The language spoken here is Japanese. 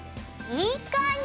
いい感じ？